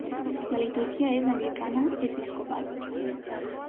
La liturgia es Anglicana-Episcopal.